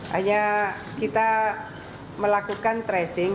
hanya kita melakukan tracing